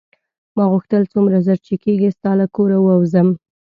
ما غوښتل څومره ژر چې کېږي ستا له کوره ووځم.